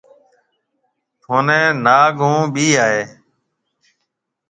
ٿونَي ناگ هون ٻئيِ آئي هيَ۔